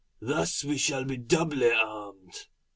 Thus we shall be doubly armed."